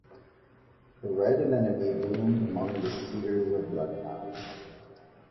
The red anemone bloomed among the cedars of Lebanon.